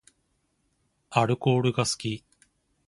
アルコールが好き